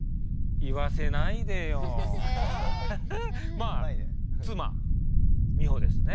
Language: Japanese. まあ妻美穂ですね。